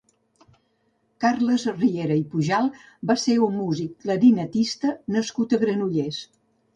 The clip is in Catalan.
Carles Riera i Pujal va ser un músic, clarinetista nascut a Granollers.